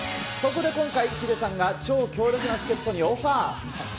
そこで今回、ヒデさんが超強力な助っ人にオファー。